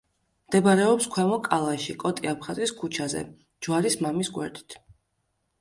მდებარეობს ქვემო კალაში, კოტე აფხაზის ქუჩაზე, ჯვარის მამის გვერდით.